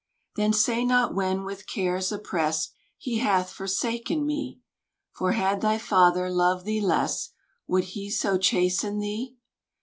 Then say not when with cares oppressed, He hath forsaken me; For had thy father loved thee less, Would he so chasten thee?